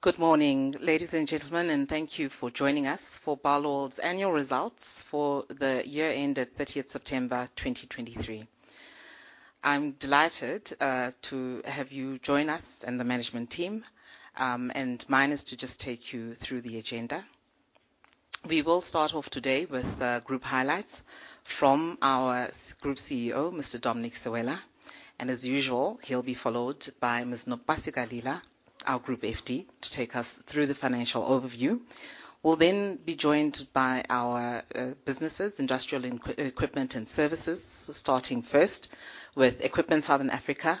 Good morning, ladies and gentlemen, and thank you for joining us for Barloworld's annual results for the year ended 30th September 2023. I'm delighted to have you join us and the management team, and mine is to just take you through the agenda. We will start off today with the group highlights from our Group CEO, Mr. Dominic Sewela, and as usual, he'll be followed by Ms. Nopasika Lila, our Group FD, to take us through the financial overview. We'll then be joined by our businesses, Industrial Equipment and Services, starting first with Equipment Southern Africa,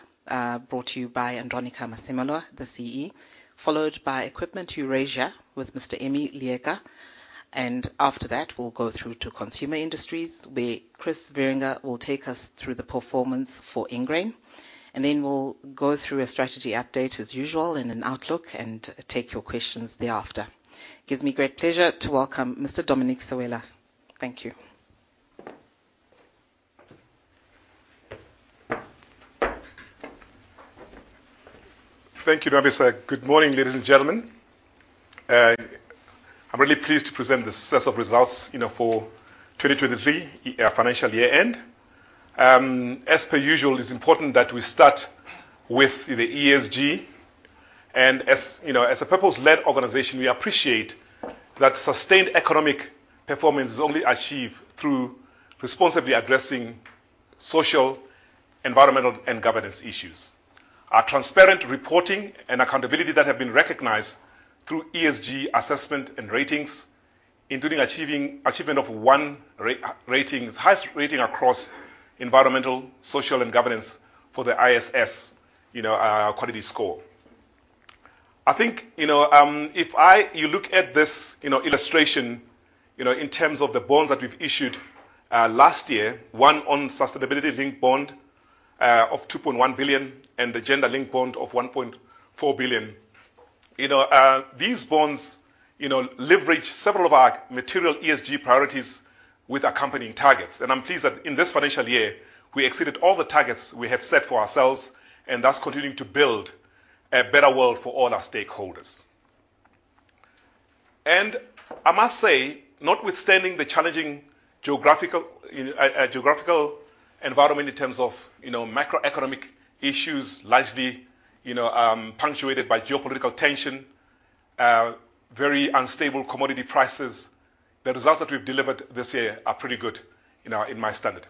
brought to you by Andronicca Masemola, the CEO, followed by Equipment Eurasia with Mr. Emmy Leeka. And after that, we'll go through to Consumer Industries, where Chris Wierenga will take us through the performance for Ingrain. Then we'll go through a strategy update as usual and an outlook and take your questions thereafter. Gives me great pleasure to welcome Mr. Dominic Sewela. Thank you. Thank you, Nopasika. Good morning, ladies and gentlemen. I'm really pleased to present this set of results, you know, for 2023 financial year end. As per usual, it's important that we start with the ESG, and as you know, as a purpose-led organization, we appreciate that sustained economic performance is only achieved through responsibly addressing social, environmental, and governance issues. Our transparent reporting and accountability that have been recognized through ESG assessment and ratings, including achievement of one rating, highest rating across environmental, social, and governance for the ISS, you know, QualityScore. I think, you know, if I... You look at this, you know, illustration, you know, in terms of the bonds that we've issued, last year, one on sustainability-linked bond of 2.1 billion, and the gender-linked bond of 1.4 billion. You know, these bonds, you know, leverage several of our material ESG priorities with accompanying targets, and I'm pleased that in this financial year, we exceeded all the targets we had set for ourselves and thus continuing to build a better world for all our stakeholders. I must say, notwithstanding the challenging geographical, you know, geographical environment in terms of, you know, macroeconomic issues, largely, you know, punctuated by geopolitical tension, very unstable commodity prices, the results that we've delivered this year are pretty good, you know, in my standard.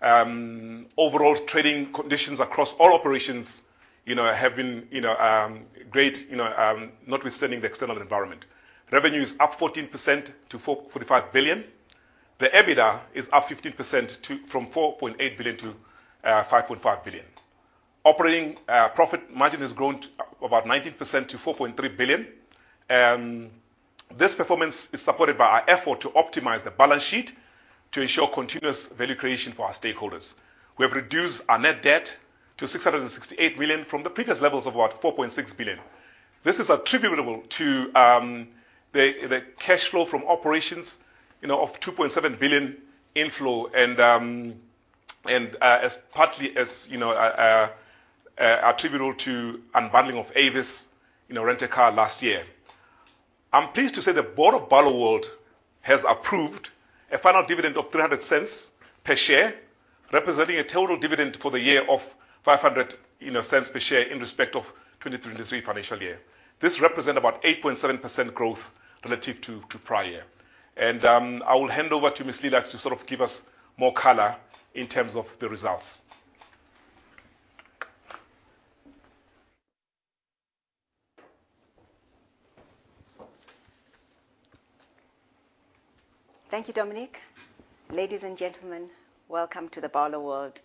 Overall trading conditions across all operations, you know, have been, you know, great, you know, notwithstanding the external environment. Revenue is up 14% to 45 billion. The EBITDA is up 15% to, from 4.8 billion to 5.5 billion. Operating profit margin has grown to about 19% to 4.3 billion. This performance is supported by our effort to optimize the balance sheet to ensure continuous value creation for our stakeholders. We have reduced our net debt to 668 million from the previous levels of about 4.6 billion. This is attributable to the cash flow from operations, you know, of 2.7 billion inflow and attributable to unbundling of Avis Rent a Car last year. I'm pleased to say the Board of Barloworld has approved a final dividend of 3.00 per share, representing a total dividend for the year of 5.00, you know, per share in respect of 2023 financial year. This represent about 8.7% growth relative to prior. I will hand over to Ms. Lila to sort of give us more color in terms of the results. Thank you, Dominic. Ladies and gentlemen, welcome to the Barloworld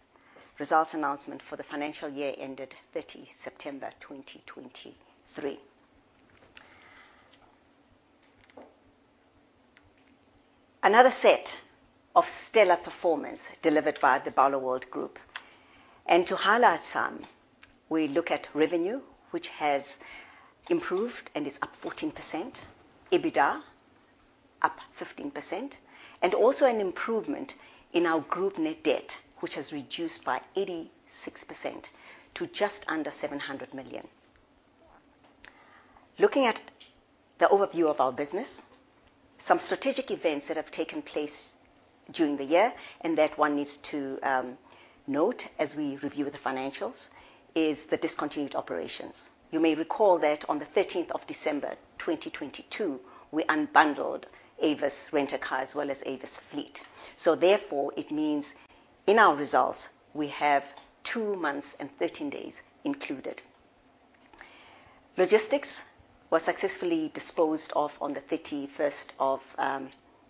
results announcement for the financial year ended 30 September 2023. Another set of stellar performance delivered by the Barloworld Group. And to highlight some, we look at revenue, which has improved and is up 14%, EBITDA up 15%, and also an improvement in our group net debt, which has reduced by 86% to just under 700 million. Looking at the overview of our business, some strategic events that have taken place during the year and that one needs to note as we review the financials is the discontinued operations. You may recall that on the 13th of December 2022, we unbundled Avis Rent a Car as well as Avis Fleet. So therefore, it means in our results, we have two months and 13 days included. Logistics was successfully disposed of on the 31st of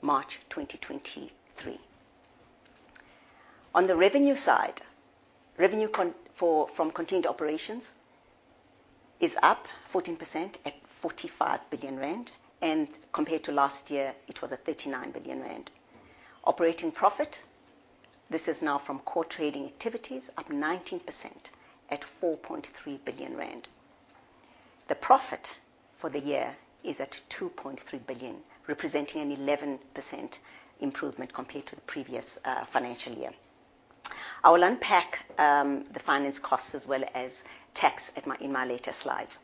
March 2023. On the revenue side, revenue from continued operations is up 14% at 45 billion rand, and compared to last year, it was at 39 billion rand. Operating profit, this is now from core trading activities, up 19% at 4.3 billion rand. The profit for the year is at 2.3 billion, representing an 11% improvement compared to the previous financial year. I will unpack the finance costs as well as tax in my later slides.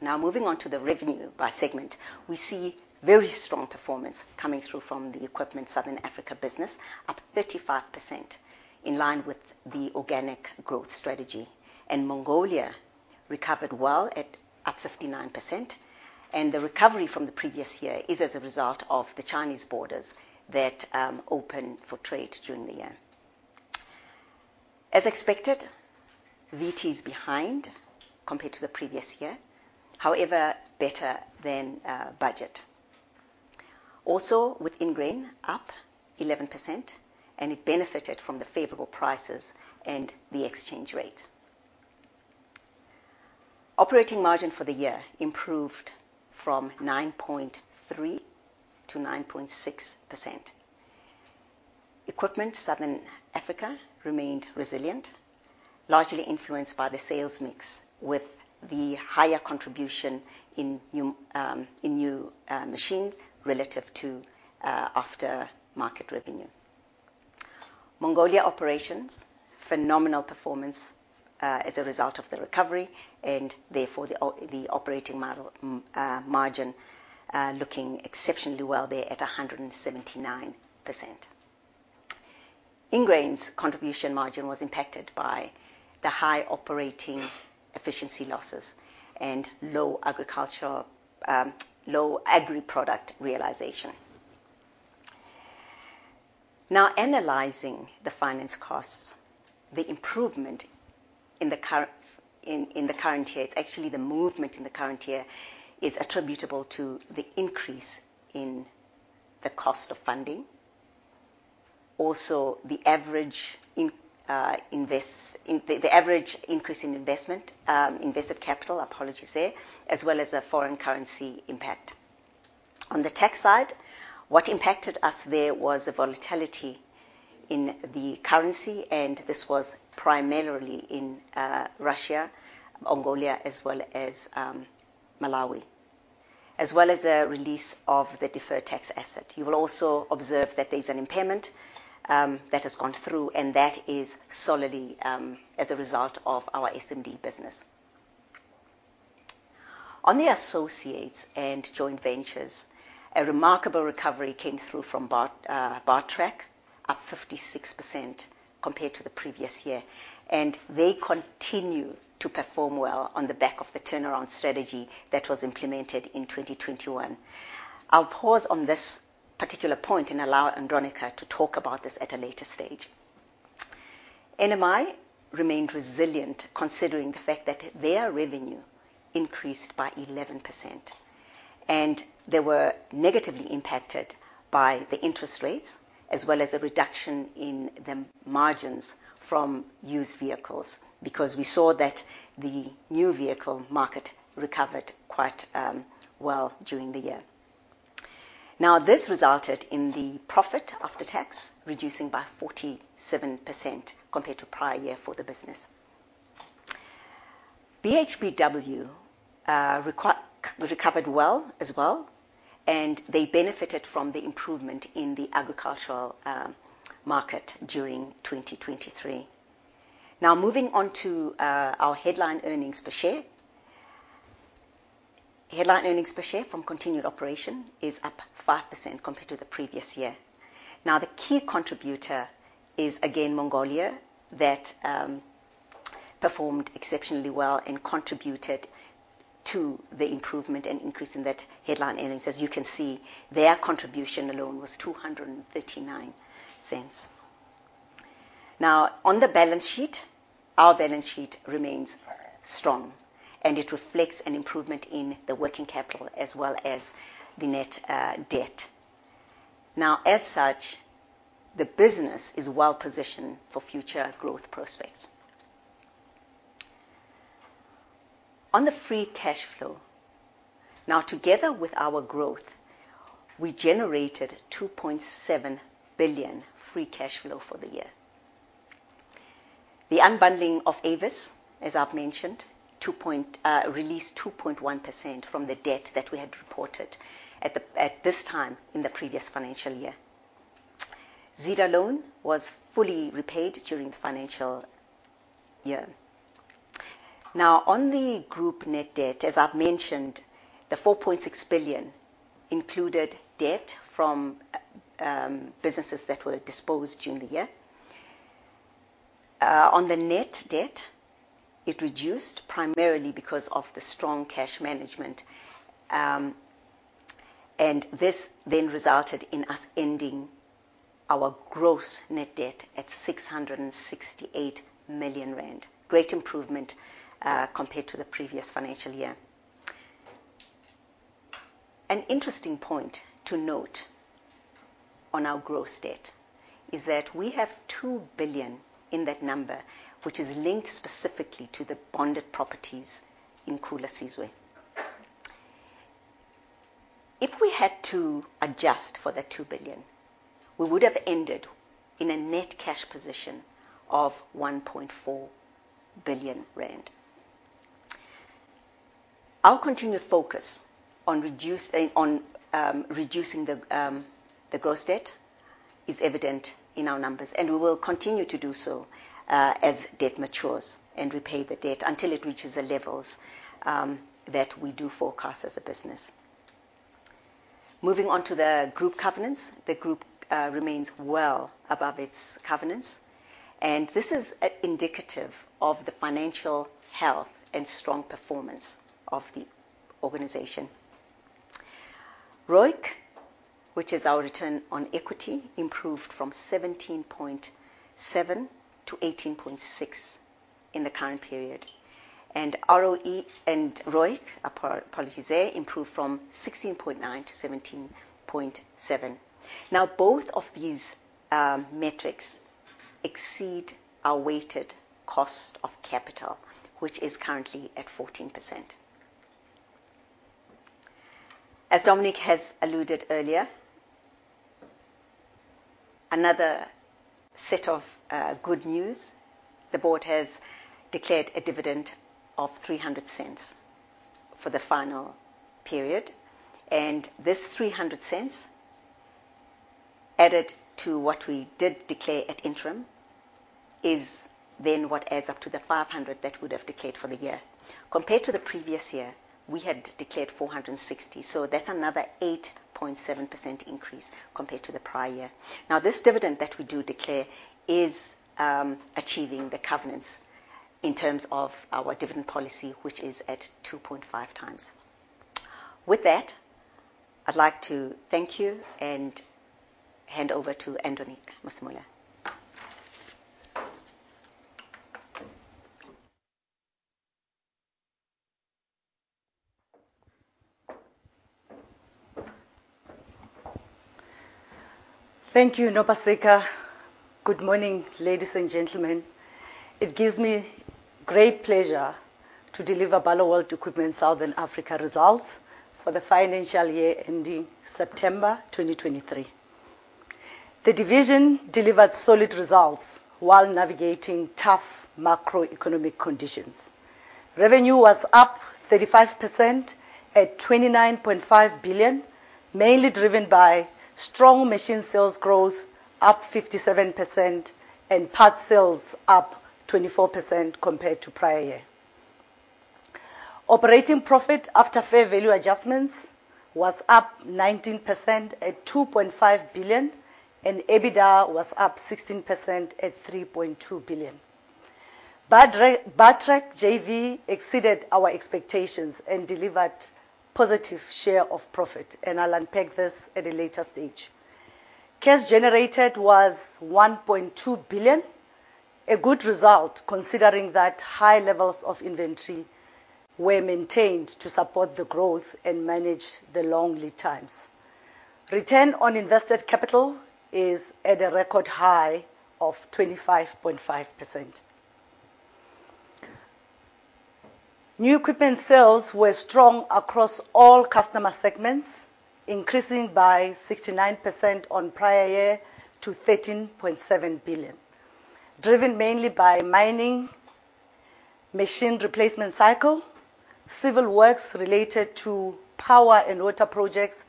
Now, moving on to the revenue by segment, we see very strong performance coming through from the Equipment Southern Africa business, up 35%, in line with the organic growth strategy. Mongolia recovered well at up 59%, and the recovery from the previous year is as a result of the Chinese borders that opened for trade during the year. As expected, VT is behind compared to the previous year, however, better than budget. Also with Ingrain up 11%, and it benefited from the favorable prices and the exchange rate. Operating margin for the year improved from 9.3% to 9.6%. Equipment Southern Africa remained resilient, largely influenced by the sales mix, with the higher contribution in new machines relative to after-market revenue. Mongolia operations, phenomenal performance, as a result of the recovery, and therefore the operating margin looking exceptionally well there at 179%. Ingrain's contribution margin was impacted by the high operating efficiency losses and low agricultural, low agri product realization. Now, analyzing the finance costs, the improvement in the current year, it's actually the movement in the current year, is attributable to the increase in the cost of funding. Also, the average increase in invested capital, apologies there, as well as a foreign currency impact. On the tax side, what impacted us there was a volatility in the currency, and this was primarily in Russia, Mongolia, as well as Malawi, as well as a release of the deferred tax asset. You will also observe that there's an impairment that has gone through, and that is solely as a result of our SMD business. On the associates and joint ventures, a remarkable recovery came through from Bartrac, up 56% compared to the previous year, and they continue to perform well on the back of the turnaround strategy that was implemented in 2021. I'll pause on this particular point and allow Andronicca to talk about this at a later stage. NMI remained resilient, considering the fact that their revenue increased by 11%, and they were negatively impacted by the interest rates, as well as a reduction in the margins from used vehicles, because we saw that the new vehicle market recovered quite well during the year. Now, this resulted in the profit after tax, reducing by 47% compared to prior year for the business. BHBW recovered well as well, and they benefited from the improvement in the agricultural market during 2023. Now, moving on to our headline earnings per share. Headline earnings per share from continued operation is up 5% compared to the previous year. Now, the key contributor is, again, Mongolia, that performed exceptionally well and contributed to the improvement and increase in that headline earnings. As you can see, their contribution alone was 2.39. Now, on the balance sheet, our balance sheet remains strong, and it reflects an improvement in the working capital as well as the net debt. Now, as such, the business is well positioned for future growth prospects. On the free cash flow, now, together with our growth, we generated 2.7 billion free cash flow for the year. The unbundling of Avis, as I've mentioned, two point released 2.1% from the debt that we had reported at the, at this time in the previous financial year. Zeda loan was fully repaid during the financial year. Now, on the group net debt, as I've mentioned, the 4.6 billion included debt from, businesses that were disposed during the year. On the net debt, it reduced primarily because of the strong cash management, and this then resulted in us ending our gross net debt at 668 million rand. Great improvement, compared to the previous financial year. An interesting point to note on our gross debt is that we have 2 billion in that number, which is linked specifically to the bonded properties in Khula Sizwe. If we had to adjust for the 2 billion, we would have ended in a net cash position of 1.4 billion rand. Our continued focus on reducing the gross debt is evident in our numbers, and we will continue to do so, as debt matures and repay the debt until it reaches the levels that we do forecast as a business. Moving on to the group covenants. The group remains well above its covenants, and this is indicative of the financial health and strong performance of the organization. ROIC, which is our return on equity, improved from 17.7-18.6 in the current period, and ROE and ROIC, apologies there, improved from 16.9-17.7. Now, both of these, metrics exceed our weighted cost of capital, which is currently at 14%. As Dominic has alluded earlier, another set of good news, the board has declared a dividend of 3.00 for the final period, and this 3.00, added to what we did declare at interim, is then what adds up to the 5.00 that we'd have declared for the year. Compared to the previous year, we had declared 4.60, so that's another 8.7% increase compared to the prior year. Now, this dividend that we do declare is achieving the covenants in terms of our dividend policy, which is at 2.5 times. With that, I'd like to thank you and hand over to Andronicca Masemola. Thank you, Nopasika. Good morning, ladies and gentlemen. It gives me great pleasure to deliver Barloworld Equipment Southern Africa results for the financial year ending September 2023. The division delivered solid results while navigating tough macroeconomic conditions. Revenue was up 35% at 29.5 billion, mainly driven by strong machine sales growth, up 57%, and parts sales up 24% compared to prior year. Operating profit after fair value adjustments was up 19% at 2.5 billion, and EBITDA was up 16% at 3.2 billion. Bartrac JV exceeded our expectations and delivered positive share of profit, and I'll unpack this at a later stage. Cash generated was 1.2 billion, a good result considering that high levels of inventory were maintained to support the growth and manage the long lead times. Return on invested capital is at a record high of 25.5%. New equipment sales were strong across all customer segments, increasing by 69% on prior year to 13.7 billion. Driven mainly by mining, machine replacement cycle, civil works related to power and water projects,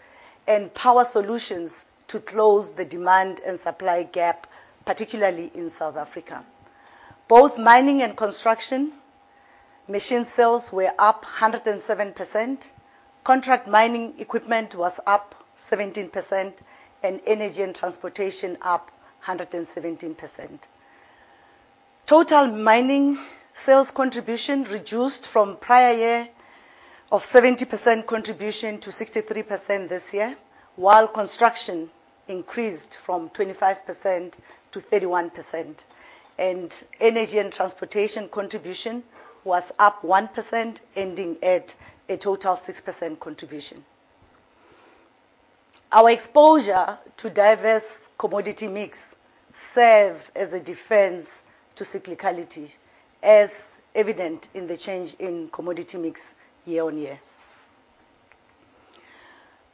and power solutions to close the demand and supply gap, particularly in South Africa. Both mining and construction, machine sales were up 107%, contract mining equipment was up 17%, and energy and transportation up 117%. Total mining sales contribution reduced from prior year of 70% contribution to 63% this year, while construction increased from 25% to 31%, and energy and transportation contribution was up 1%, ending at a total 6% contribution. Our exposure to diverse commodity mix serve as a defense to cyclicality, as evident in the change in commodity mix year-on-year.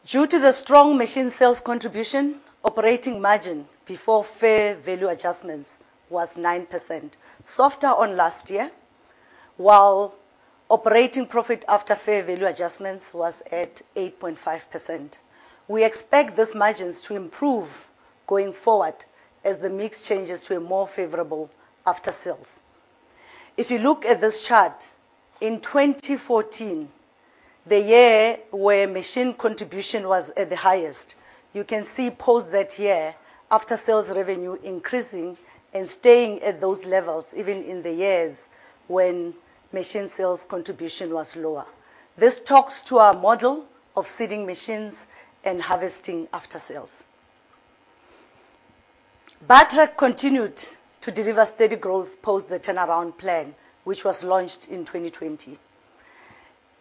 Due to the strong machine sales contribution, operating margin before fair value adjustments was 9%, softer on last year, while operating profit after fair value adjustments was at 8.5%. We expect these margins to improve going forward as the mix changes to a more favorable after-sales. If you look at this chart, in 2014, the year where machine contribution was at the highest, you can see post that year, after sales revenue increasing and staying at those levels, even in the years when machine sales contribution was lower. This talks to our model of seeding machines and harvesting aftersales. Bartrac continued to deliver steady growth post the turnaround plan, which was launched in 2020,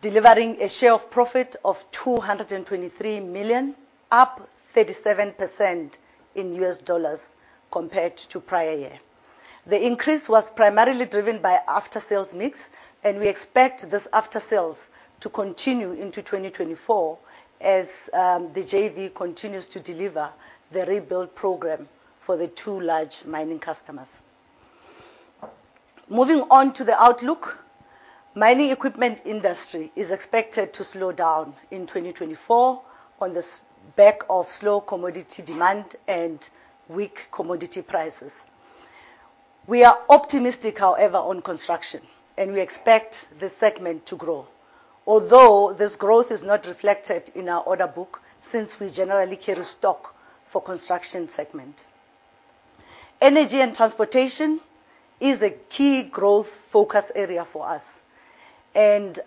delivering a share of profit of $223 million, up 37% in US dollars compared to prior year. The increase was primarily driven by aftersales mix, and we expect this aftersales to continue into 2024 as the JV continues to deliver the rebuild program for the two large mining customers. Moving on to the outlook. Mining equipment industry is expected to slow down in 2024 on the back of slow commodity demand and weak commodity prices. We are optimistic, however, on construction, and we expect this segment to grow. Although this growth is not reflected in our order book, since we generally carry stock for construction segment. Energy and transportation is a key growth focus area for us, and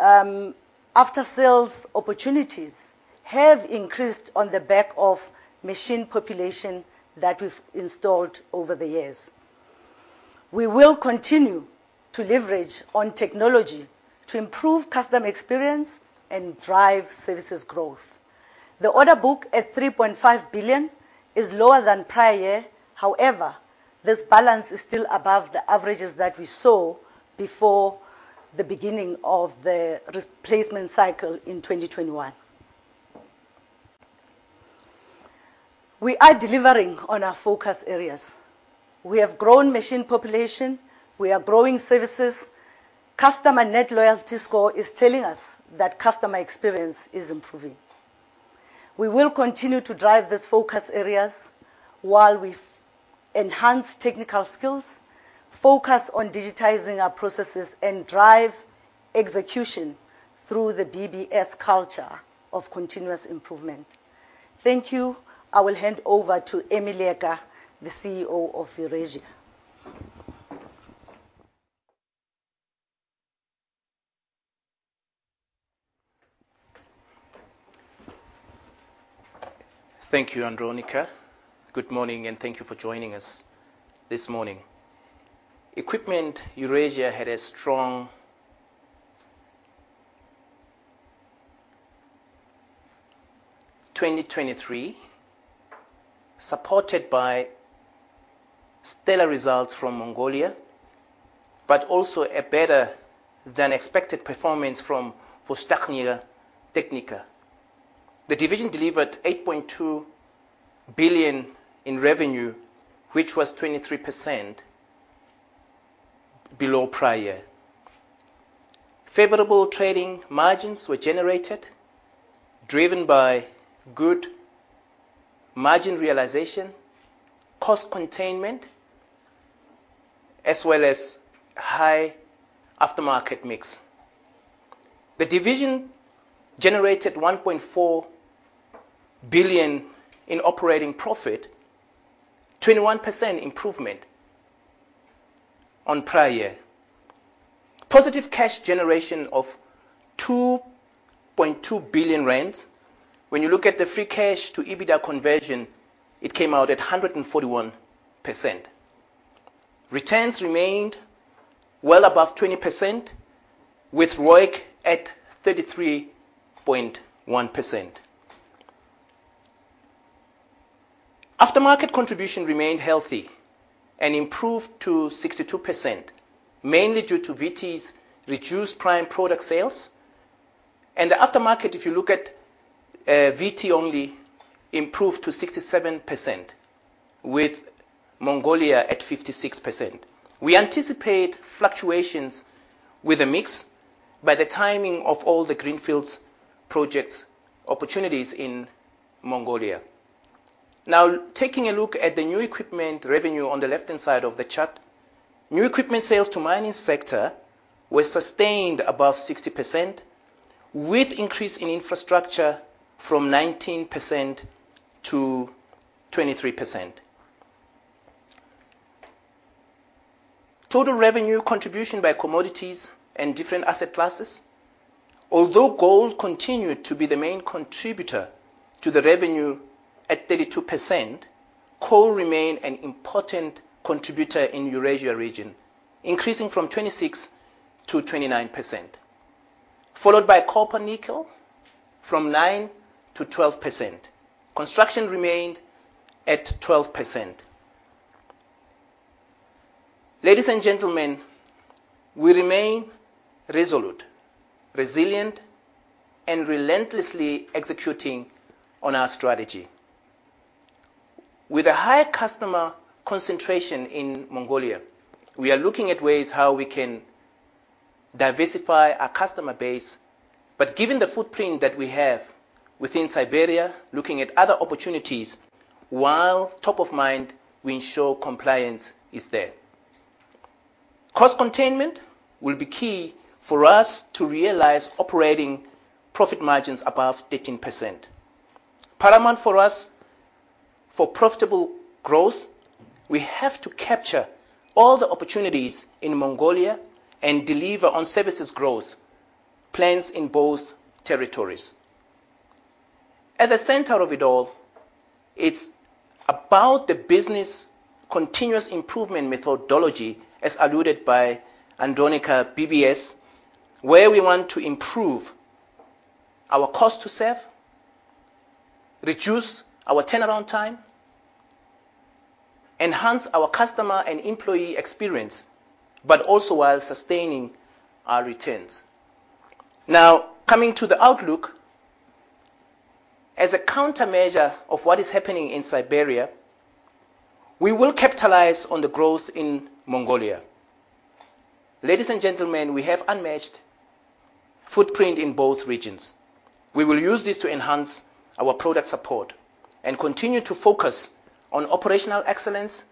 after-sales opportunities have increased on the back of machine population that we've installed over the years. We will continue to leverage on technology to improve customer experience and drive services growth. The order book at 3.5 billion is lower than prior year. However, this balance is still above the averages that we saw before the beginning of the replacement cycle in 2021. We are delivering on our focus areas. We have grown machine population, we are growing services. Customer net loyalty score is telling us that customer experience is improving. We will continue to drive these focus areas while we enhance technical skills, focus on digitizing our processes, and drive execution through the BBS culture of continuous improvement. Thank you. I will hand over to Emmy Leeka, the CEO of Eurasia. Thank you, Andronicca. Good morning, and thank you for joining us this morning. Equipment Eurasia had a strong 2023, supported by stellar results from Mongolia, but also a better-than-expected performance from Vostochnaya Technica. The division delivered 8.2 billion in revenue, which was 23% below prior year. Favorable trading margins were generated, driven by good margin realization, cost containment, as well as high aftermarket mix. The division generated 1.4 billion in operating profit, 21% improvement on prior year. Positive cash generation of 2.2 billion rand. When you look at the free cash to EBITDA conversion, it came out at 141%. Returns remained well above 20%, with ROIC at 33.1%. Aftermarket contribution remained healthy and improved to 62%, mainly due to VT's reduced prime product sales. The aftermarket, if you look at, VT, only improved to 67%, with Mongolia at 56%. We anticipate fluctuations with the mix by the timing of all the greenfields projects opportunities in Mongolia. Now, taking a look at the new equipment revenue on the left-hand side of the chart, new equipment sales to mining sector were sustained above 60%, with increase in infrastructure from 19%-23%. Total revenue contribution by commodities and different asset classes. Although gold continued to be the main contributor to the revenue at 32%, coal remained an important contributor in Eurasia region, increasing from 26%-29%, followed by copper nickel from 9%-12%. Construction remained at 12%. Ladies and gentlemen, we remain resolute, resilient, and relentlessly executing on our strategy. With a higher customer concentration in Mongolia, we are looking at ways how we can diversify our customer base, but given the footprint that we have within Siberia, looking at other opportunities while top of mind, we ensure compliance is there. Cost containment will be key for us to realize operating profit margins above 13%. Paramount for us, for profitable growth, we have to capture all the opportunities in Mongolia and deliver on services growth plans in both territories. At the center of it all, it's about the business continuous improvement methodology, as alluded by Andronicca, BBS, where we want to improve our cost to serve, reduce our turnaround time, enhance our customer and employee experience, but also while sustaining our returns. Now, coming to the outlook. As a countermeasure of what is happening in Siberia, we will capitalize on the growth in Mongolia. Ladies and gentlemen, we have unmatched footprint in both regions. We will use this to enhance our product support and continue to focus on operational excellence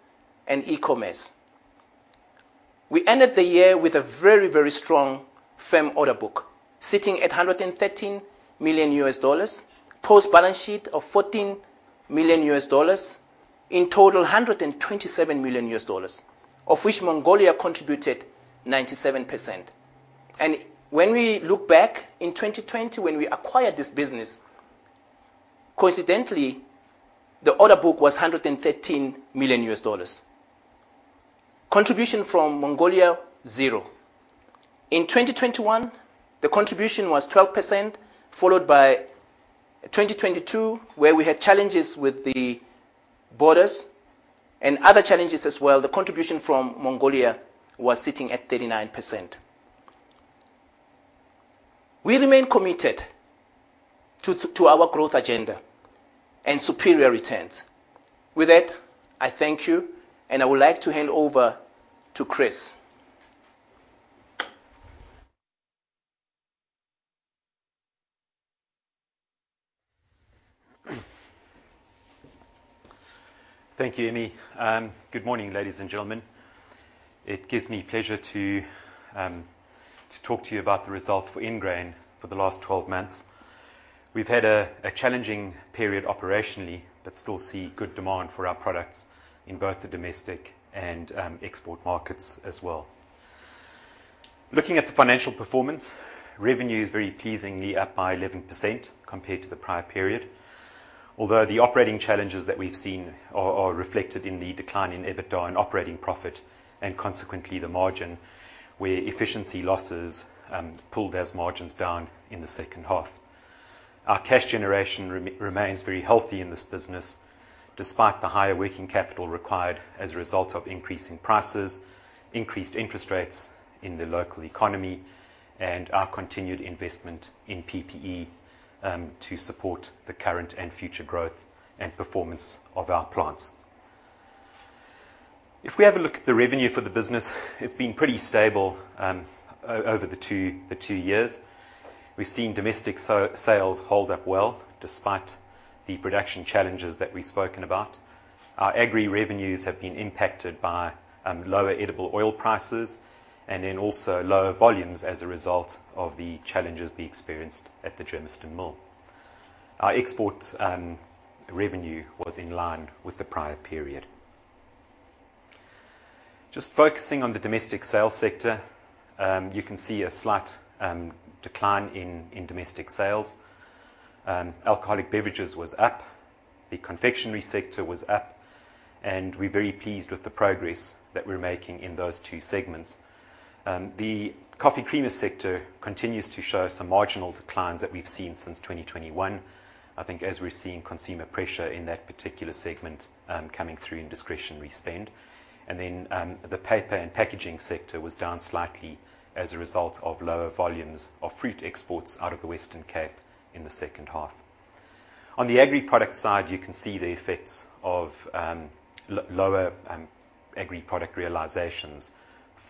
and e-commerce. We ended the year with a very, very strong firm order book, sitting at $113 million, post balance sheet of $14 million. In total, $127 million, of which Mongolia contributed 97%. When we look back in 2020, when we acquired this business, coincidentally, the order book was $113 million. Contribution from Mongolia, 0. In 2021, the contribution was 12%, followed by 2022, where we had challenges with the borders and other challenges as well. The contribution from Mongolia was sitting at 39%. We remain committed to our growth agenda and superior returns. With that, I thank you, and I would like to hand over to Chris. Thank you, Emmy. Good morning, ladies and gentlemen. It gives me pleasure to talk to you about the results for Ingrain for the last 12 months. We've had a challenging period operationally, but still see good demand for our products in both the domestic and export markets as well. Looking at the financial performance, revenue is very pleasingly up by 11% compared to the prior period. Although the operating challenges that we've seen are reflected in the decline in EBITDA and operating profit, and consequently, the margin, where efficiency losses pulled those margins down in the second half. Our cash generation remains very healthy in this business, despite the higher working capital required as a result of increasing prices, increased interest rates in the local economy, and our continued investment in PPE to support the current and future growth and performance of our plants. If we have a look at the revenue for the business, it's been pretty stable over the two years. We've seen domestic sales hold up well, despite the production challenges that we've spoken about. Our agri revenues have been impacted by lower edible oil prices and then also lower volumes as a result of the challenges we experienced at the Germiston mill. Our export revenue was in line with the prior period. Just focusing on the domestic sales sector, you can see a slight decline in domestic sales. Alcoholic beverages was up, the confectionery sector was up, and we're very pleased with the progress that we're making in those two segments. The coffee creamer sector continues to show some marginal declines that we've seen since 2021, I think as we're seeing consumer pressure in that particular segment, coming through in discretionary spend. And then, the paper and packaging sector was down slightly as a result of lower volumes of fruit exports out of the Western Cape in the second half. On the agri product side, you can see the effects of lower agri product realizations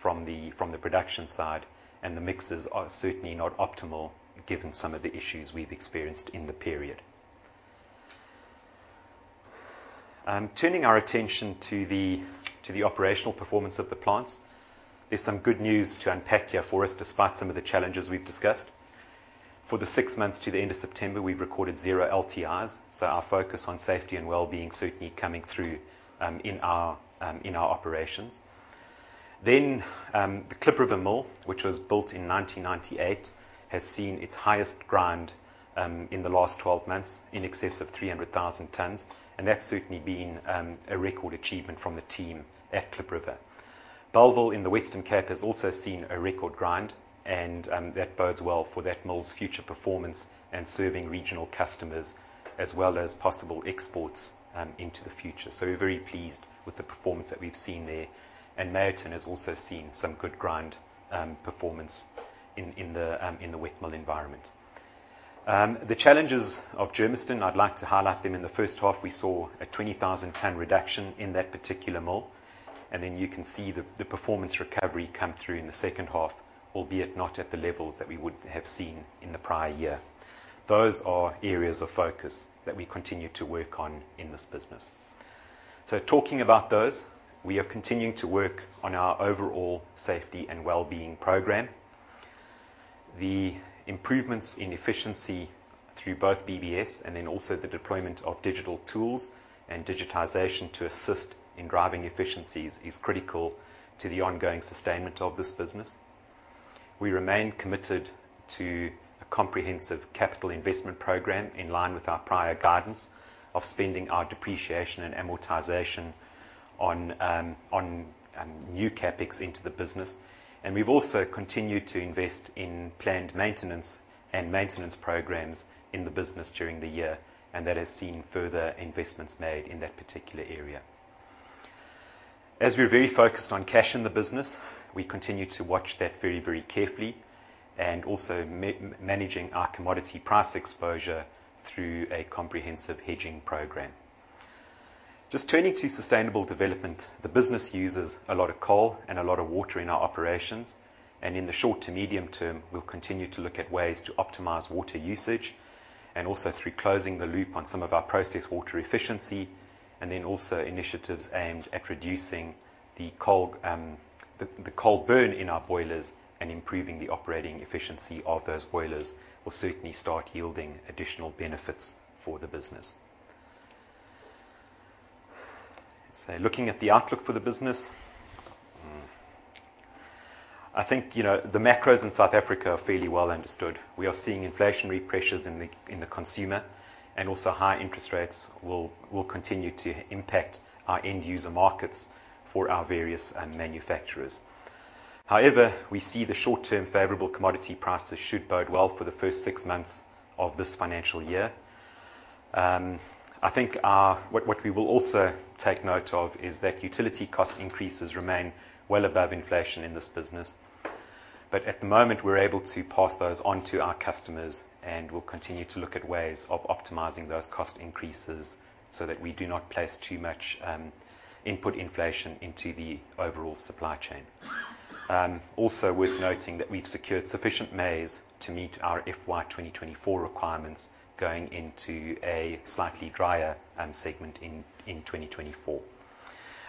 from the production side, and the mixes are certainly not optimal, given some of the issues we've experienced in the period. Turning our attention to the operational performance of the plants, there's some good news to unpack here for us, despite some of the challenges we've discussed. For the six months to the end of September, we've recorded zero LTIs, so our focus on safety and wellbeing certainly coming through in our operations. The Klip River mill, which was built in 1998, has seen its highest grind in the last 12 months, in excess of 300,000 tons, and that's certainly been a record achievement from the team at Klip River. Bellville, in the Western Cape, has also seen a record grind, and that bodes well for that mill's future performance and serving regional customers, as well as possible exports into the future. So we're very pleased with the performance that we've seen there, and Meyerton has also seen some good grind performance in the wet mill environment. The challenges of Germiston, I'd like to highlight them. In the first half, we saw a 20,000-ton reduction in that particular mill, and then you can see the performance recovery come through in the second half, albeit not at the levels that we would have seen in the prior year. Those are areas of focus that we continue to work on in this business. So talking about those, we are continuing to work on our overall safety and wellbeing program. The improvements in efficiency through both BBS and then also the deployment of digital tools and digitization to assist in driving efficiencies is critical to the ongoing sustainment of this business. We remain committed to a comprehensive capital investment program, in line with our prior guidance of spending our depreciation and amortization on new CapEx into the business. And we've also continued to invest in planned maintenance and maintenance programs in the business during the year, and that has seen further investments made in that particular area. As we're very focused on cash in the business, we continue to watch that very, very carefully, and also managing our commodity price exposure through a comprehensive hedging program. Just turning to sustainable development, the business uses a lot of coal and a lot of water in our operations, and in the short to medium term, we'll continue to look at ways to optimize water usage, and also through closing the loop on some of our process water efficiency, and then also initiatives aimed at reducing the coal, the coal burn in our boilers and improving the operating efficiency of those boilers will certainly start yielding additional benefits for the business. So looking at the outlook for the business, I think, you know, the macros in South Africa are fairly well understood. We are seeing inflationary pressures in the consumer, and also high interest rates will continue to impact our end user markets for our various manufacturers. However, we see the short-term favorable commodity prices should bode well for the first six months of this financial year. I think what we will also take note of is that utility cost increases remain well above inflation in this business. But at the moment, we're able to pass those on to our customers, and we'll continue to look at ways of optimizing those cost increases so that we do not place too much input inflation into the overall supply chain. Also worth noting that we've secured sufficient maize to meet our FY 2024 requirements going into a slightly drier segment in 2024.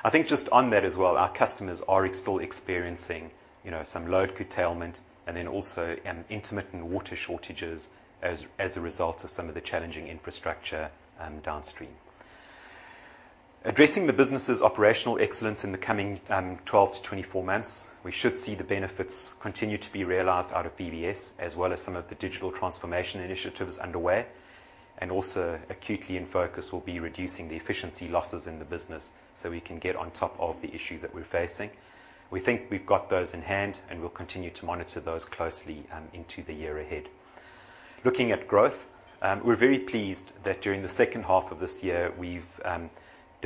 I think just on that as well, our customers are still experiencing, you know, some load curtailment and then also intermittent water shortages as a result of some of the challenging infrastructure downstream. Addressing the business's operational excellence in the coming 12-24 months, we should see the benefits continue to be realized out of BBS, as well as some of the digital transformation initiatives underway. Also acutely in focus will be reducing the efficiency losses in the business, so we can get on top of the issues that we're facing. We think we've got those in hand, and we'll continue to monitor those closely into the year ahead. Looking at growth, we're very pleased that during the second half of this year, we've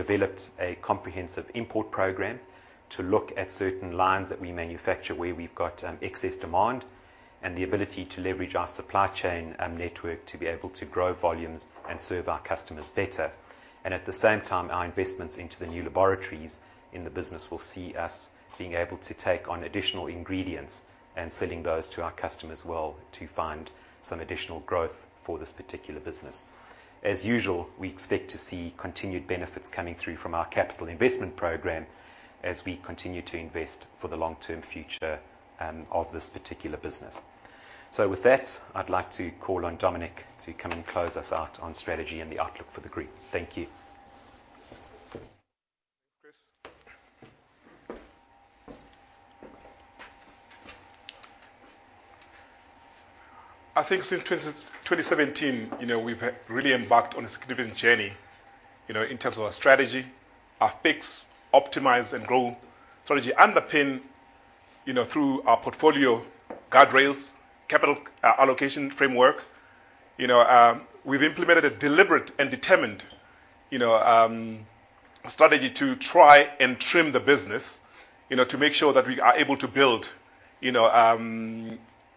developed a comprehensive import program to look at certain lines that we manufacture, where we've got excess demand, and the ability to leverage our supply chain network to be able to grow volumes and serve our customers better. At the SEMe time, our investments into the new laboratories in the business will see us being able to take on additional ingredients and selling those to our customers well, to find some additional growth for this particular business. As usual, we expect to see continued benefits coming through from our capital investment program as we continue to invest for the long-term future, of this particular business. So with that, I'd like to call on Dominic to come and close us out on strategy and the outlook for the group. Thank you. Thanks, Chris. I think since 2017, you know, we've really embarked on a significant journey, you know, in terms of our strategy, our fix, optimize, and grow strategy, underpinned, you know, through our portfolio guardrails, capital allocation framework. You know, we've implemented a deliberate and determined, you know, strategy to try and trim the business, you know, to make sure that we are able to build, you know,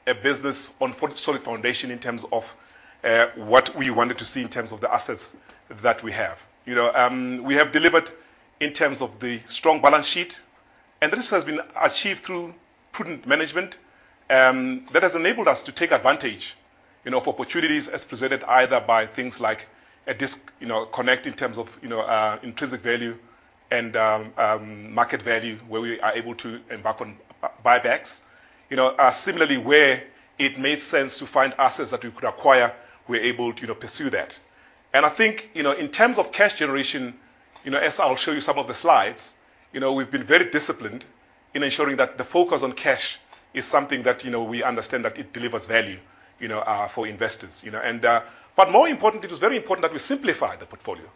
a business on a solid foundation in terms of, what we wanted to see in terms of the assets that we have. You know, we have delivered in terms of the strong balance sheet, and this has been achieved through prudent management that has enabled us to take advantage, you know, of opportunities as presented either by things like a disconnect in terms of intrinsic value and market value, where we are able to embark on buybacks. You know, similarly, where it made sense to find assets that we could acquire, we're able to, you know, pursue that. And I think, you know, in terms of cash generation, you know, as I'll show you some of the slides, you know, we've been very disciplined in ensuring that the focus on cash is something that, you know, we understand that it delivers value, you know, for investors, you know. But more importantly, it was very important that we simplify the portfolio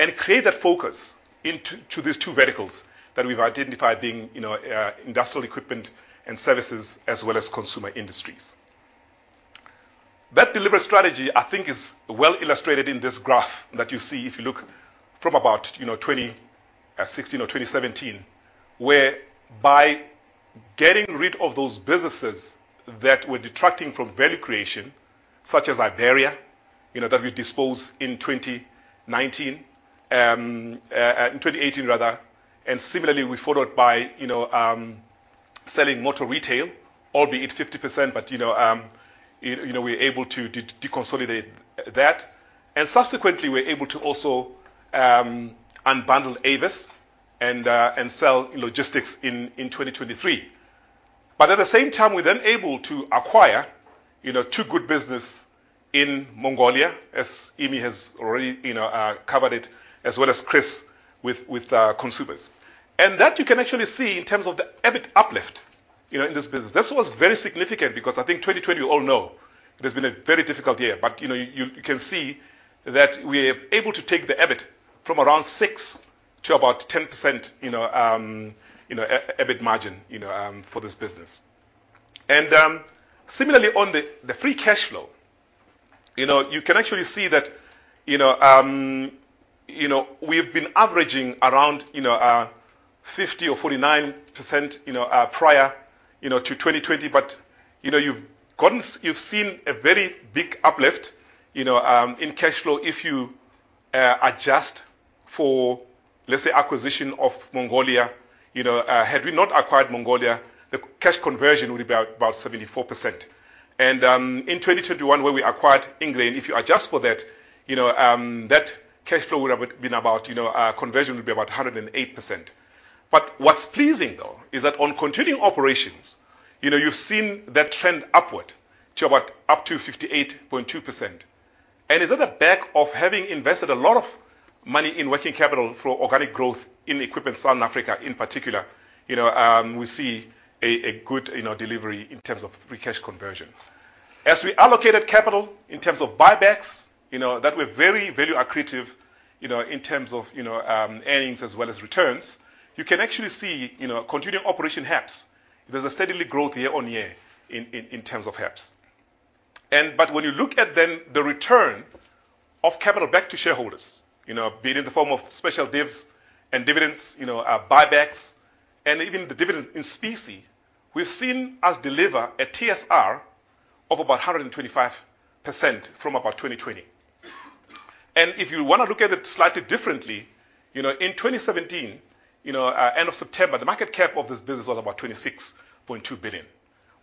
and create that focus into to these two verticals that we've identified being, you know, industrial equipment and services as well as consumer industries. That deliberate strategy, I think, is well illustrated in this graph that you see, if you look from about, you know, 2016 or 2017, where by getting rid of those businesses that were detracting from value creation, such as Iberia, you know, that we disposed in 2019, in 2018 rather, and similarly, we followed by, you know, selling motor retail, albeit 50%, but, you know, you know, we're able to deconsolidate that. Subsequently, we're able to also unbundle Avis and and sell logistics in 2023. But at the SEMe time, we're then able to acquire, you know, two good business in Mongolia, as Emmy has already, you know, covered it, as well as Chris with, with, consumers. And that you can actually see in terms of the EBIT uplift, you know, in this business. This was very significant because I think 2020, we all know it has been a very difficult year, but, you know, you, you can see that we're able to take the EBIT from around 6% to about 10%, you know, you know, EBIT margin, you know, for this business. And, similarly, on the, the free cash flow-... You know, you can actually see that, you know, you know, we've been averaging around, you know, 50 or 49%, you know, prior, you know, to 2020, but, you know, you've gotten, you've seen a very big uplift, you know, in cash flow, if you, adjust for, let's say, acquisition of Mongolia. You know, had we not acquired Mongolia, the cash conversion would be about, about 74%. And, in 2021, where we acquired Ingrain, if you adjust for that, you know, that cash flow would have been about, you know, conversion would be about 108%. But what's pleasing, though, is that on continuing operations, you know, you've seen that trend upward to about up to 58.2%. And is that the back of having invested a lot of money in working capital for organic growth in Equipment Southern Africa in particular? You know, we see a good, you know, delivery in terms of free cash conversion. As we allocated capital in terms of buybacks, you know, that we're very, very accretive, you know, in terms of, you know, earnings as well as returns, you can actually see, you know, continuing operations HEPS. There's a steadily growth year on year in terms of HEPS. But when you look at then the return of capital back to shareholders, you know, be it in the form of special divs and dividends, you know, buybacks, and even the dividends in specie, we've seen us deliver a TSR of about 125% from about 2020. If you wanna look at it slightly differently, you know, in 2017, end of September, the market cap of this business was about 26.2 billion.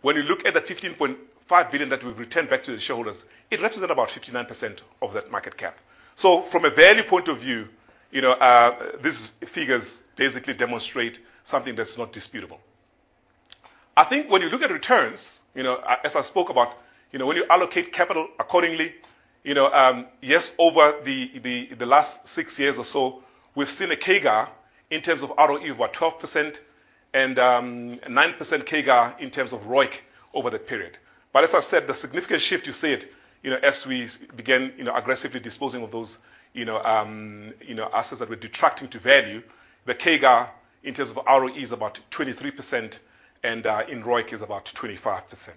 When you look at the 15.5 billion that we've returned back to the shareholders, it represents about 59% of that market cap. So from a value point of view, you know, these figures basically demonstrate something that's not disputable. I think when you look at returns, you know, as I spoke about, you know, when you allocate capital accordingly, you know, yes, over the last six years or so, we've seen a CAGR in terms of ROE, about 12% and nine percent CAGR in terms of ROIC over the period. But as I said, the significant shift you see it, you know, as we begin, you know, aggressively disposing of those, you know, you know, assets that we're detracting to value, the KGA, in terms of ROE, is about 23%, and in ROIC is about 25%.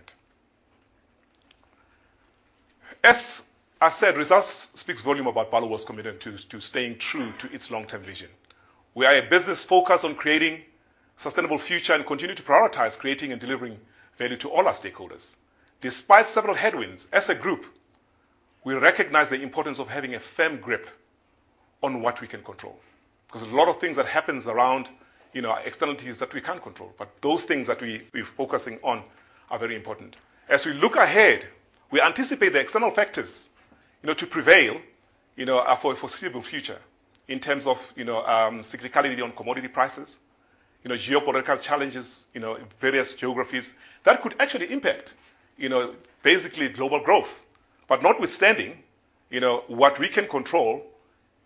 As I said, results speaks volume about Barloworld's commitment to, to staying true to its long-term vision. We are a business focused on creating sustainable future and continue to prioritize creating and delivering value to all our stakeholders. Despite several headwinds, as a group, we recognize the importance of having a firm grip on what we can control, because there's a lot of things that happens around, you know, our externalities that we can't control, but those things that we, we're focusing on are very important. As we look ahead, we anticipate the external factors, you know, to prevail, you know, for a foreseeable future in terms of, you know, cyclicality on commodity prices, you know, geopolitical challenges, you know, in various geographies, that could actually impact, you know, basically global growth. But notwithstanding, you know, what we can control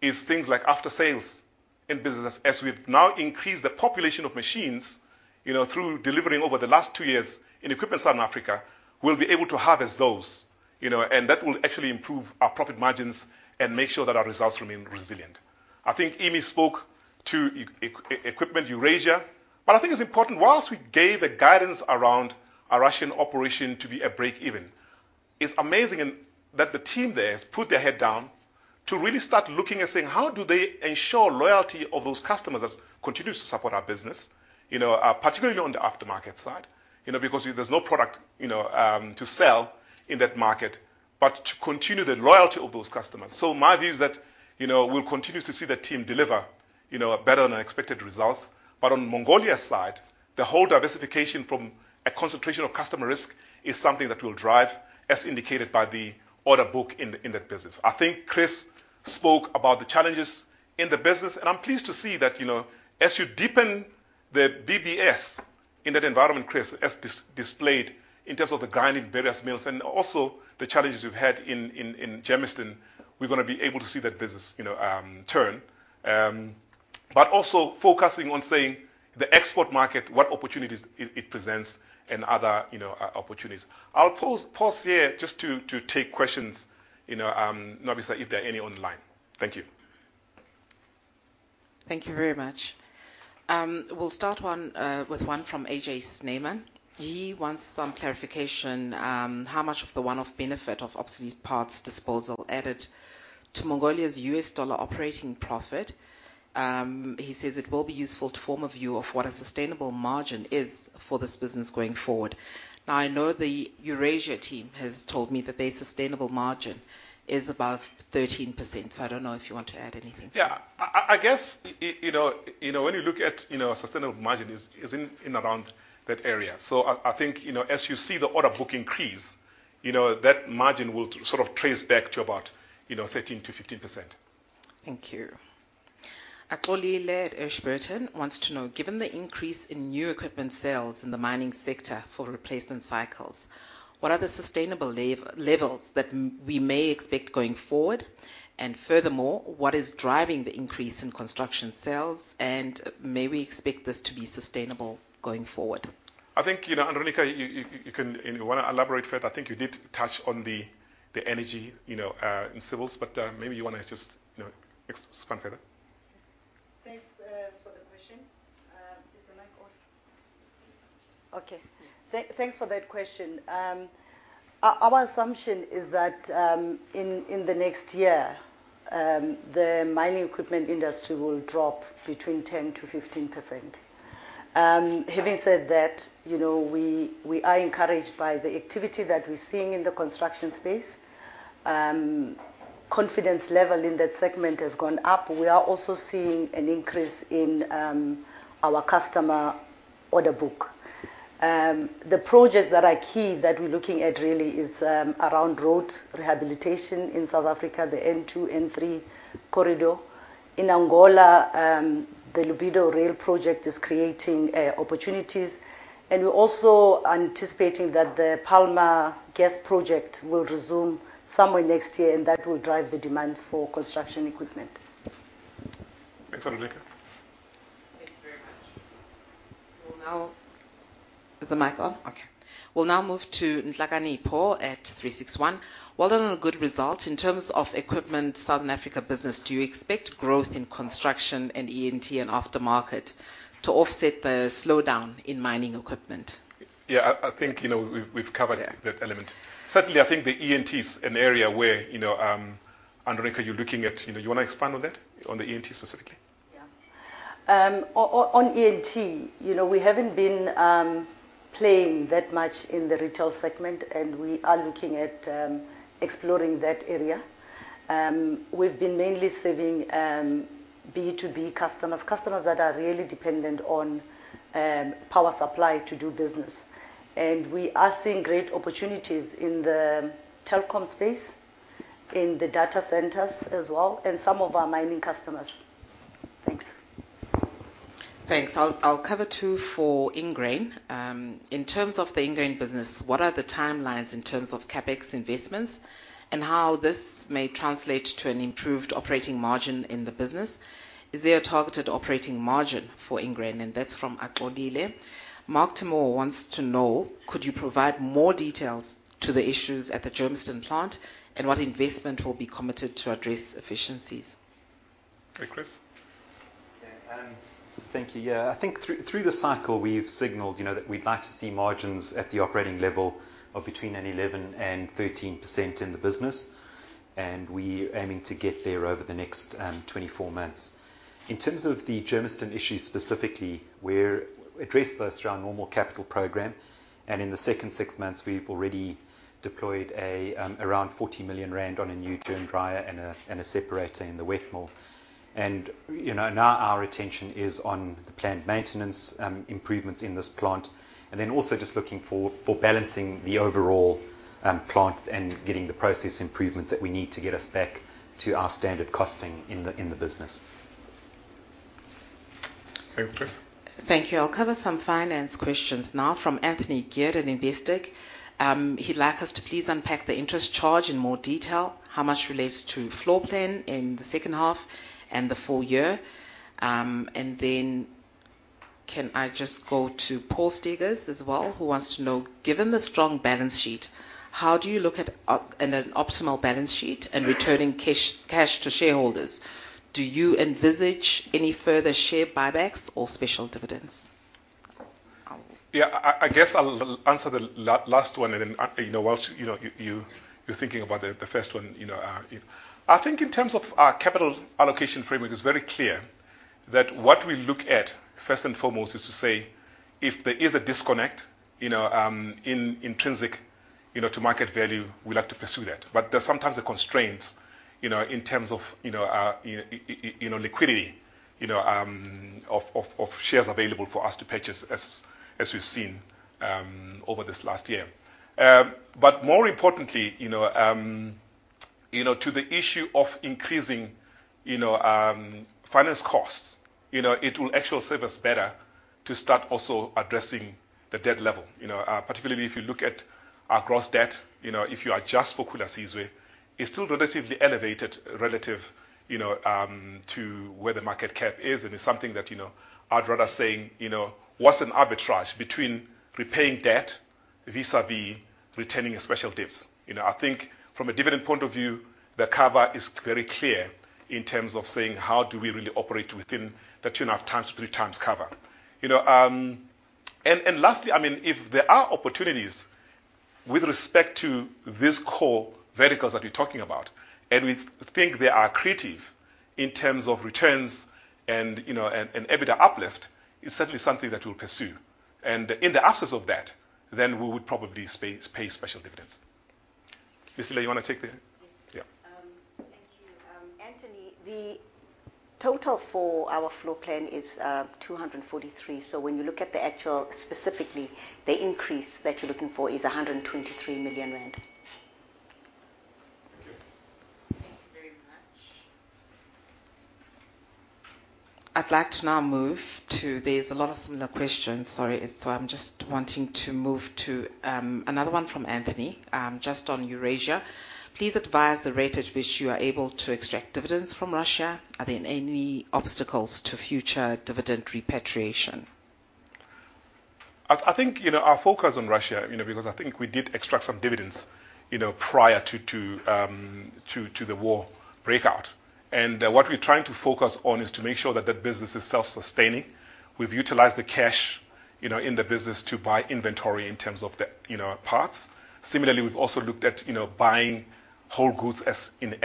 is things like after-sales in business. As we've now increased the population of machines, you know, through delivering over the last two years in Equipment Southern Africa, we'll be able to harvest those, you know, and that will actually improve our profit margins and make sure that our results remain resilient. I think Emmy spoke to Equipment Eurasia, but I think it's important, whilst we gave a guidance around our Russian operation to be a break even, it's amazing and... That the team there has put their head down to really start looking and saying, how do they ensure loyalty of those customers that continue to support our business, you know, particularly on the aftermarket side, you know, because there's no product, you know, to sell in that market, but to continue the loyalty of those customers. So my view is that, you know, we'll continue to see the team deliver, you know, a better-than-expected results. But on Mongolia side, the whole diversification from a concentration of customer risk is something that will drive, as indicated by the order book in that business. I think Chris spoke about the challenges in the business, and I'm pleased to see that, you know, as you deepen the BBS in that environment, Chris, as displayed in terms of the grinding various mills and also the challenges we've had in Germiston, we're gonna be able to see that business, you know, turn. But also focusing on saying the export market, what opportunities it presents and other, you know, opportunities. I'll pause here just to take questions, you know, obviously, if there are any online. Thank you. Thank you very much. We'll start with one from AJ Snyman. He wants some clarification, how much of the one-off benefit of obsolete parts disposal added to Mongolia's US dollar operating profit? He says it will be useful to form a view of what a sustainable margin is for this business going forward. Now, I know the Eurasia team has told me that their sustainable margin is above 13%, so I don't know if you want to add anything. Yeah. I guess, you know, when you look at, you know, a sustainable margin is in around that area. So I think, you know, as you see the order book increase, you know, that margin will sort of trace back to about, you know, 13%-15%. Thank you. Akwelile at Ashburton wants to know: Given the increase in new equipment sales in the mining sector for replacement cycles, what are the sustainable levels that we may expect going forward? And furthermore, what is driving the increase in construction sales, and may we expect this to be sustainable going forward? I think, you know, Andronicca, you can, you wanna elaborate further? I think you did touch on the energy, you know, in civils, but maybe you wanna just, you know, expand further. Thanks for the question. Is the mic on? Okay. Thanks for that question. Our assumption is that in the next year the mining equipment industry will drop between 10%-15%. Having said that, you know, we are encouraged by the activity that we're seeing in the construction space. Confidence level in that segment has gone up. We are also seeing an increase in our customer order book. The projects that are key that we're looking at really is around road rehabilitation in South Africa, the N2, N3 corridor. In Angola, the Lobito Rail project is creating opportunities, and we're also anticipating that the Palma gas project will resume somewhere next year, and that will drive the demand for construction equipment. Thanks, Andronicca. Thank you very much. We'll now... Is the mic on? Okay. We'll now move to Nhlakanipho at 36One: Well done on a good result. In terms of equipment, Southern Africa business, do you expect growth in construction and E&T and aftermarket to offset the slowdown in mining equipment? Yeah, I think, you know, we've covered- Yeah that element. Certainly, I think the E&T is an area where, you know, Andronicca, you're looking at. You know, you wanna expand on that, on the E&T specifically? Yeah. On E&T, you know, we haven't been playing that much in the retail segment, and we are looking at exploring that area. We've been mainly serving B2B customers, customers that are really dependent on power supply to do business, and we are seeing great opportunities in the telecom space, in the data centers as well, and some of our mining customers. Thanks. Thanks. I'll cover two for Ingrain. "In terms of the Ingrain business, what are the timelines in terms of CapEx investments and how this may translate to an improved operating margin in the business? Is there a targeted operating margin for Ingrain?" And that's from Akhwelile. Mark Gillham wants to know: "Could you provide more details to the issues at the Germiston plant, and what investment will be committed to address efficiencies? Okay, Chris. Yeah, thank you. Yeah, I think through the cycle, we've signaled, you know, that we'd like to see margins at the operating level of between 11%-13% in the business, and we're aiming to get there over the next 24 months. In terms of the Germiston issue specifically, we're addressing those through our normal capital program, and in the second six months, we've already deployed around 40 million rand on a new germ dryer and a separator in the wet mill. And, you know, now our attention is on the plant maintenance improvements in this plant, and then also just looking for balancing the overall plant and getting the process improvements that we need to get us back to our standard costing in the business. Thank you, Chris. Thank you. I'll cover some finance questions now from Anthony Geard at Investec. He'd like us to please unpack the interest charge in more detail, how much relates to floor plan in the second half and the full year. And then, can I just go to Paul Sobela as well, who wants to know: "Given the strong balance sheet, how do you look at at an optimal balance sheet and returning cash to shareholders? Do you envisage any further share buybacks or special dividends?" I'll- Yeah, I guess I'll answer the last one, and then, you know, while, you know, you're thinking about the first one, you know, it. I think in terms of our capital allocation framework, it's very clear that what we look at, first and foremost, is to say if there is a disconnect, you know, in intrinsic, to market value, we like to pursue that. But there's sometimes a constraint, you know, in terms of liquidity, of shares available for us to purchase, as we've seen, over this last year. But more importantly, to the issue of increasing, you know, finance costs, it will actually serve us better to start also addressing the debt level. Particularly if you look at our gross debt, if you adjust for Khula Sizwe, it's still relatively elevated relative, to where the market cap is, and it's something that, I'd rather saying, what's an arbitrage between repaying debt vis-à-vis retaining special divs? I think from a dividend point of view, the cover is very clear in terms of saying: How do we really operate within the 2.5x, 3x cover? Lastly, I mean, if there are opportunities with respect to these core verticals that we're talking about, and we think they are creative in terms of returns and, you know, and EBITDA uplift, it's certainly something that we'll pursue. And in the absence of that, then we would probably pay special dividends. Lisa, you wanna take the- Yes. Yeah. Thank you. Anthony, the total for our floor plan is 243 million. So when you look at the actual, specifically, the increase that you're looking for is 123 million rand. Thank you very much. I'd like to now move to... There's a lot of similar questions. Sorry, so I'm just wanting to move to another one from Anthony, just on Eurasia. Please advise the rate at which you are able to extract dividends from Russia. Are there any obstacles to future dividend repatriation? Our focus on Russia, because I think we did extract some dividends, prior to the war breakout. And what we're trying to focus on is to make sure that that business is self-sustaining. We've utilized the cash, in the business to buy inventory in terms of the parts. Similarly, we've also looked at, buying whole goods as in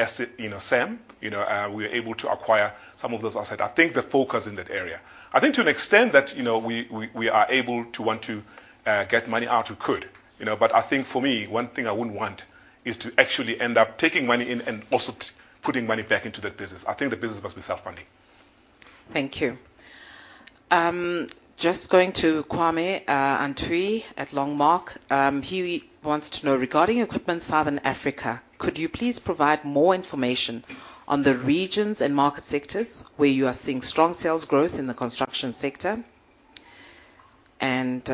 SEM. We were able to acquire some of those assets. I think the focus in that area. I think to an extent that, you know, we are able to want to get money out, we could, you know? I think for me, one thing I wouldn't want is to actually end up taking money in and also putting money back into that business. I think the business must be self-funding. Thank you. Just going to Kwame Antwi at Longmark. He wants to know, regarding Equipment Southern Africa, could you please provide more information on the regions and market sectors where you are seeing strong sales growth in the construction sector? And,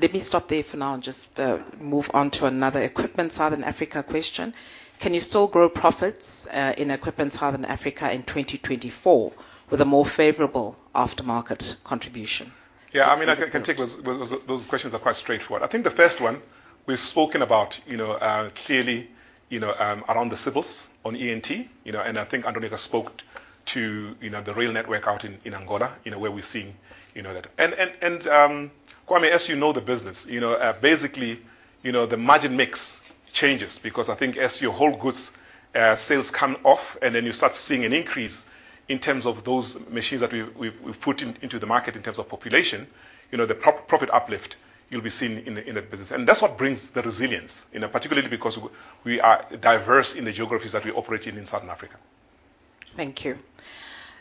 let me stop there for now and just move on to another Equipment Southern Africa question. Can you still grow profits, in Equipment Southern Africa in 2024, with a more favorable aftermarket contribution? Yeah, I mean, I can take those. Those, those questions are quite straightforward. I think the first one we've spoken about, clearly, around the civils on E&T. I think Andronicca spoke to, the rail network out in Angola, where we're seeing, that. And, Kwame, as you know, the business, you know, basically, you know, the margin mix changes because I think as your whole goods sales come off, and then you start seeing an increase in terms of those machines that we've put in, into the market in terms of population, you know, the profit uplift you'll be seeing in the, in the business. And that's what brings the resilience, you know, particularly because we are diverse in the geographies that we operate in, in Southern Africa. Thank you.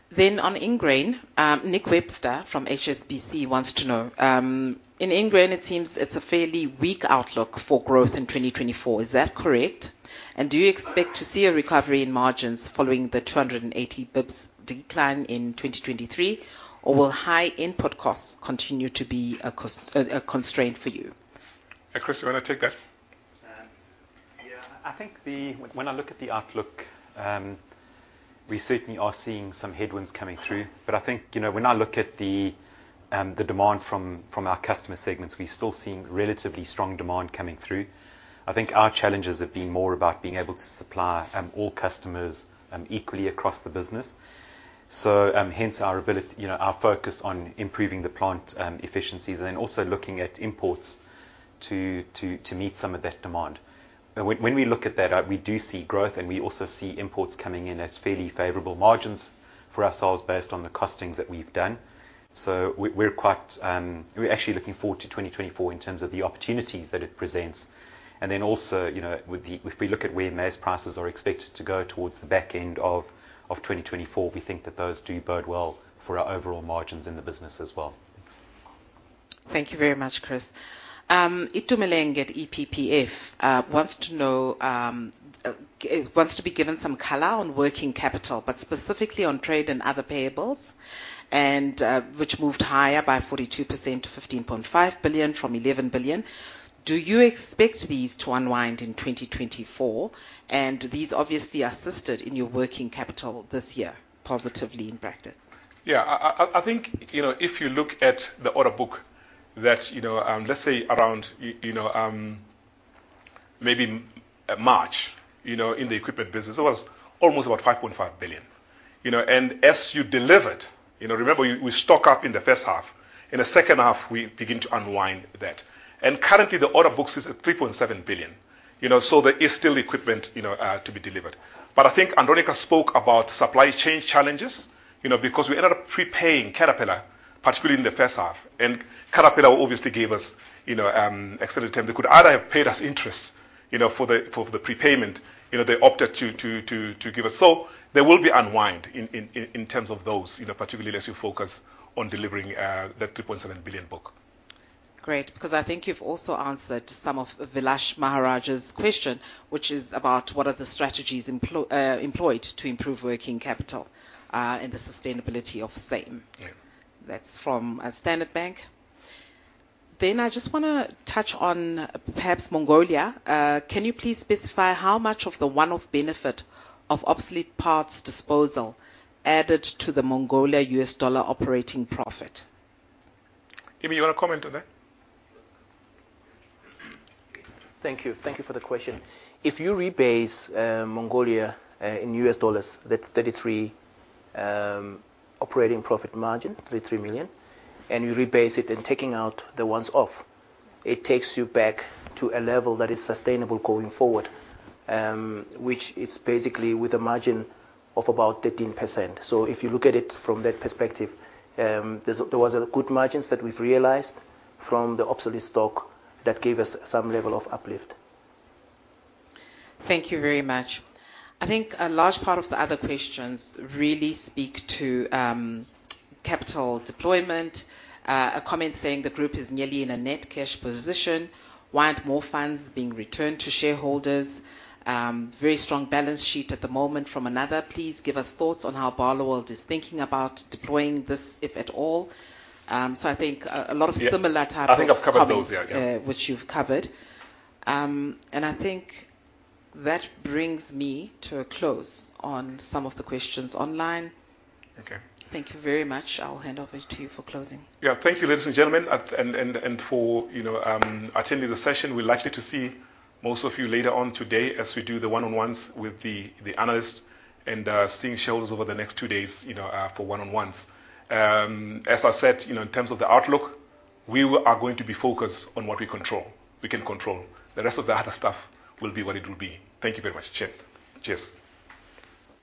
Then on Ingrain, Nick Webster from HSBC wants to know, "In Ingrain, it seems it's a fairly weak outlook for growth in 2024. Is that correct? And do you expect to see a recovery in margins following the 280 basis points decline in 2023, or will high input costs continue to be a constraint for you? Hey, Chris, you want to take that? Yeah. I think when I look at the outlook, we certainly are seeing some headwinds coming through. But I think, you know, when I look at the demand from our customer segments, we're still seeing relatively strong demand coming through. I think our challenges have been more about being able to supply all customers equally across the business. So, hence our ability, you know, our focus on improving the plant efficiencies, and then also looking at imports to meet some of that demand. When we look at that, we do see growth, and we also see imports coming in at fairly favorable margins for ourselves based on the costings that we've done. So we, we're quite. We're actually looking forward to 2024 in terms of the opportunities that it presents. And then also, you know, if we look at where maize prices are expected to go towards the back end of 2024, we think that those do bode well for our overall margins in the business as well. Thank you very much, Chris. Itumeleng at EPPF wants to be given some color on working capital, but specifically on trade and other payables, and which moved higher by 42% to 15.5 billion from 11 billion. Do you expect these to unwind in 2024? And these obviously assisted in your working capital this year, positively, in practice. If you look at the order book that, you know, let's say around, you know, maybe March, you know, in the equipment business, it was almost about 5.5 billion. You know, and as you delivered, you know, remember, we stock up in the first half. In the second half, we begin to unwind that. And currently, the order books is at 3.7 billion. You know, so there is still equipment, you know, to be delivered. But I think Andronicca spoke about supply chain challenges, you know, because we ended up prepaying Caterpillar, particularly in the first half, and Caterpillar obviously gave us, you know, extended term. They could either have paid us interest, you know, for the, for the prepayment, you know, they opted to give us. So there will be unwind in terms of those, you know, particularly as you focus on delivering that 3.7 billion book. Great, because I think you've also answered some of Vilas Maharaj's question, which is about what are the strategies employed to improve working capital, and the sustainability of SEMe. Yeah. That's from Standard Bank. Then I just wanna touch on perhaps Mongolia. Can you please specify how much of the one-off benefit of obsolete parts disposal added to the Mongolia US dollar operating profit? Emmy, you want to comment on that? Thank you. Thank you for the question. If you rebase, Mongolia, in U.S. dollars, that 33, operating profit margin, $33 million, and you rebase it, then taking out the one-offs, it takes you back to a level that is sustainable going forward, which is basically with a margin of about 13%. So if you look at it from that perspective, there's, there was a good margins that we've realized from the obsolete stock that gave us some level of uplift. Thank you very much. I think a large part of the other questions really speak to capital deployment. A comment saying the group is nearly in a net cash position, want more funds being returned to shareholders. Very strong balance sheet at the moment from another. Please give us thoughts on how Barloworld is thinking about deploying this, if at all. So I think a lot of similar type of- I think I've covered those, yeah.... comments, which you've covered. I think that brings me to a close on some of the questions online. Okay. Thank you very much. I'll hand over to you for closing. Yeah. Thank you, ladies and gentlemen, for you know, attending the session. We're likely to see most of you later on today as we do the one-on-ones with the analysts, and seeing shows over the next two days, you know, for one-on-ones. As I said, you know, in terms of the outlook, we are going to be focused on what we control, we can control. The rest of the other stuff will be what it will be. Thank you very much. Cheers. Cheers!